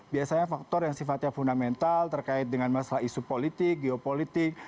biasanya faktor yang sifatnya fundamental terkait dengan masalah isu politik geopolitik